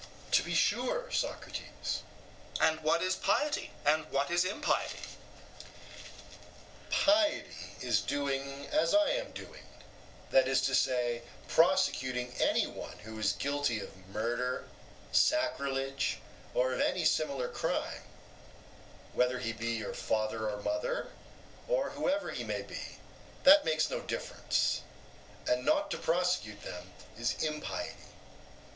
EUTHYPHRO: To be sure, Socrates. SOCRATES: And what is piety, and what is impiety? EUTHYPHRO: Piety is doing as I am doing; that is to say, prosecuting any one who is guilty of murder, sacrilege, or of any similar crime whether he be your father or mother, or whoever he may be that makes no difference; and not to prosecute them is impiety.